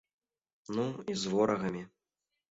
Ну, і з ворагамі.